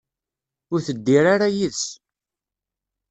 Ur teddir ara yid-s.